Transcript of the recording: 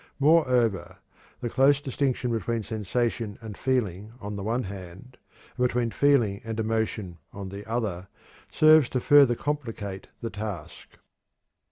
Moreover, the close distinction between sensation and feeling on the one hand, and between feeling and emotion on the other, serves to further complicate the task.